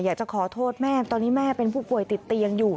อยากจะขอโทษแม่ตอนนี้แม่เป็นผู้ป่วยติดเตียงอยู่